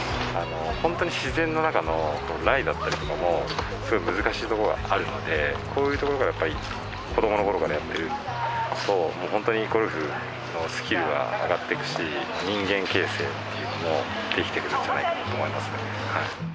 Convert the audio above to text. ホントに自然の中のライだったりとかもすごい難しいとこはあるのでこういうところがやっぱり子どもの頃からやってるともうホントにゴルフのスキルが上がってくし人間形成っていうのもできてくるんじゃないかなと思いますね。